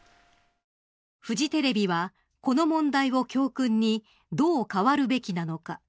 フジテレビはこの問題を教訓にどう変わるべきなのか？